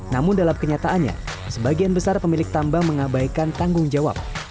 namun dalam kenyataannya sebagian besar pemilik tambang mengabaikan tanggung jawab